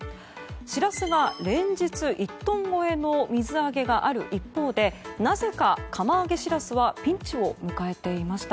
シラスが連日１トン超えの水揚げがある一方でなぜか釜揚げシラスはピンチを迎えていました。